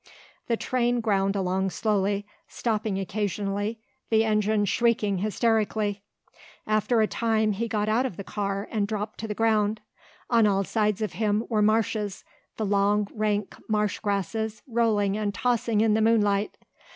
The train ground along slowly, stopping occasionally, the engine shrieking hysterically. After a time he got out of the car and dropped to the ground. On all sides of him were marshes, the long rank marsh grasses rolling and tossing in the moonlight.